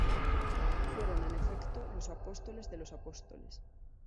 Fueron, en efecto, los "apóstoles de los Apóstoles".